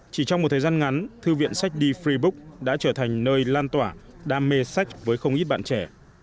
chỉ trong một thời gian ngắn thư viện sách the free book đã trở thành nơi lan tỏa đam mê sách với không ít bạn trẻ